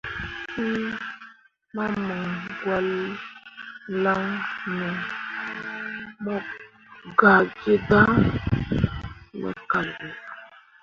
Fîi mamǝŋgwãalaŋne mo gah gi dan me kal ɓe.